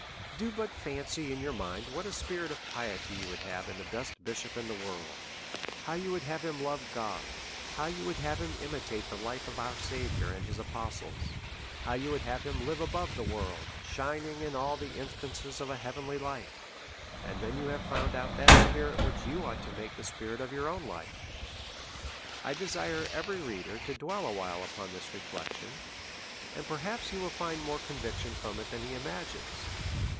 Do but fancy in your mind what a spirit of piety you would have in the best bishop in the world, how you would have him love God, how you Vv^ould have him imitate the life of our Saviour and his apostleg, how you would have him live above th.e worhl, shining in all the instances of a heavenly life, and then you have found out that spirit which you ought to make the spirit of your own life. I desire every reader to dwell awhile upon this re flection, and perhaps he will find more conviction from it then he imagines.